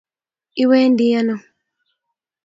iwendi ano?